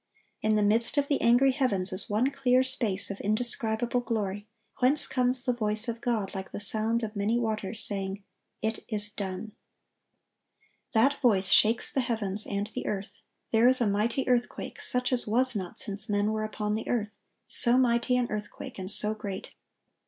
In the midst of the angry heavens is one clear space of indescribable glory, whence comes the voice of God like the sound of many waters, saying, "It is done."(1093) That voice shakes the heavens and the earth. There is a mighty earthquake, "such as was not since men were upon the earth, so mighty an earthquake, and so great."